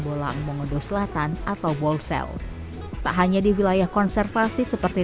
bolang mongodo selatan atau world cell tak hanya di wilayah konservasi seperti